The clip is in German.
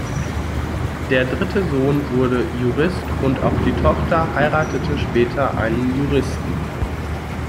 Der dritte Sohn wurde Jurist, und auch die Tochter heiratete später einen Juristen.